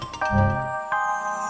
aku mau ke rumah